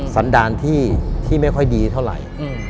สันดารที่ไม่ค่อยดีเท่าไหร่